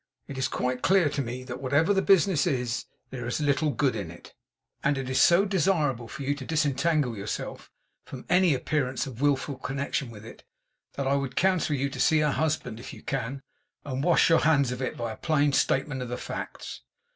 It is quite clear to me that whatever the business is, there is little good in it; and it is so desirable for you to disentangle yourself from any appearance of willful connection with it, that I would counsel you to see her husband, if you can, and wash your hands of it by a plain statement of the facts.